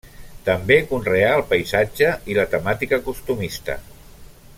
També conreà el paisatge i la temàtica costumista.